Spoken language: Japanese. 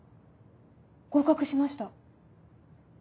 合格しました。